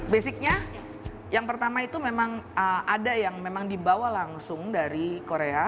basicnya yang pertama itu memang ada yang memang dibawa langsung dari korea